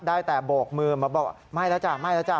ได้แต่โบกมือมาบอกไม่แล้วจ้ะไม่แล้วจ้